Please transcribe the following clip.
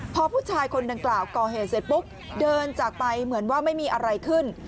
พอผู้ชายคนดังกล่าวก่อเหตุเสร็จปุ๊บเดินจากไปเหมือนว่าไม่มีอะไรขึ้น